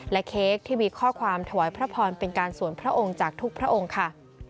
เค้กที่มีข้อความถวายพระพรเป็นการสวนพระองค์จากทุกพระองค์ค่ะ